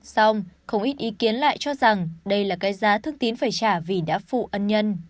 xong không ít ý kiến lại cho rằng đây là cái giá thương tín phải trả vì đã phụ ân nhân